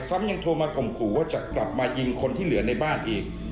ซ้ำยังโทรมาข่มขู่ว่าจะกลับมายิงคนที่เหลือในบ้านอีก